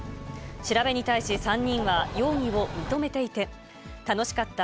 調べに対し、３人は容疑を認めていて、楽しかった。